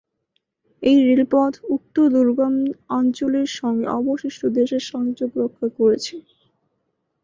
এই রেলপথ উক্ত দুর্গম অঞ্চলের সঙ্গে অবশিষ্ট দেশের সংযোগ রক্ষা করছে।